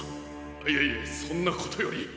いやいやそんなことより。